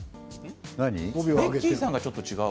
ベッキーさんがちょっと違う。